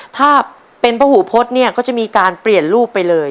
ถ้าเป็นพระหูพจน์เนี่ยก็จะมีการเปลี่ยนรูปไปเลย